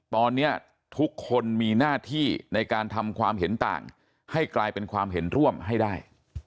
ตอนนี้ทุกคนมีหน้าที่ในการทำความเห็นต่างให้กลายเป็นความเห็นร่วมให้ได้